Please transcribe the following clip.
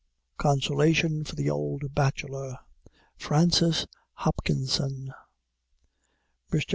CONSOLATION FOR THE OLD BACHELOR FRANCIS HOPKINSON MR.